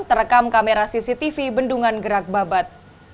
terekam kamera cctv bendungan gerak babat